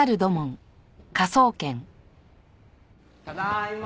ただいま。